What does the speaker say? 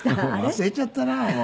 忘れちゃったなもう。